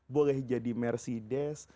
boleh jadi mercedes